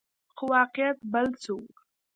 خو واقعیت بل څه وو.